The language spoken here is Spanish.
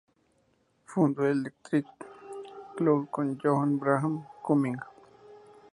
Fundó Electric Cloud con John Graham-Cumming.